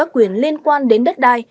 quyền liên quan đến đất đai